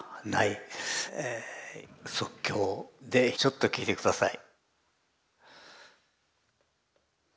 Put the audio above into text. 即興でちょっと聴いて下さい。